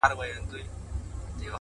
مه کوه گمان د ليوني گلي _